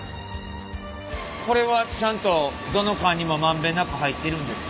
これはちゃんとどの缶にも満遍なく入ってるんですか？